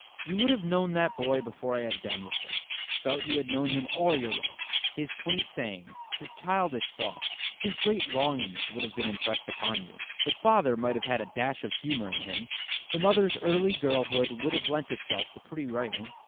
You would have known that boy before I had done with him—felt you had known him all your life. His quaint sayings, his childish thoughts, his great longings would have been impressed upon you. The father might have had a dash of humour in him, the mother's early girlhood would have lent itself to pretty writing.